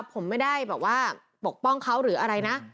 ผมไม่ได้ปกป้องเขาหรืออะไรนะ